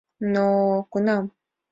— Но-о, кунам?